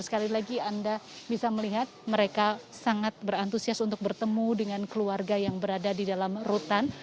sekali lagi anda bisa melihat mereka sangat berantusias untuk bertemu dengan keluarga yang berada di dalam rutan